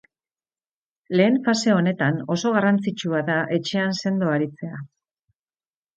Lehen fase honetan oso garrantzitsua da etxean sendo aritzea.